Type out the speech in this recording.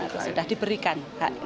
atau sudah diberikan